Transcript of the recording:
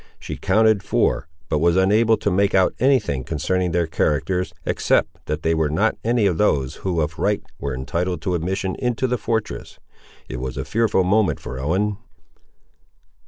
She counted four, but was unable to make out any thing concerning their characters, except that they were not any of those who of right were entitled to admission into the fortress. It was a fearful moment for Ellen.